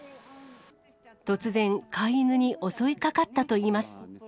突然、飼い犬に襲いかかったといいます。